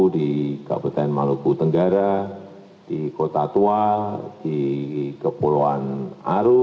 di kabupaten maluku tenggara di kota tua di kepulauan aru